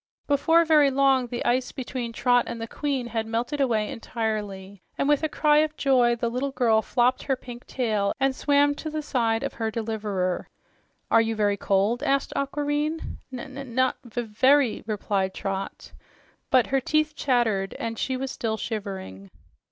Before very long the ice between Trot and the queen had melted away entirely, and with a cry of joy the little girl flopped her pink tail and swam to the side of her deliverer. "Are you very cold?" asked Aquareine. "N not v v very!" replied Trot, but her teeth chattered and she was still shivering.